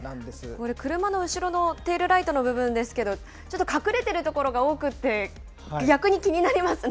これ、車の後ろのテールライトの部分ですけど、ちょっと隠れている所が多くて、逆に気になりますね。